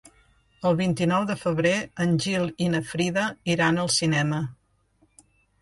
El vint-i-nou de febrer en Gil i na Frida iran al cinema.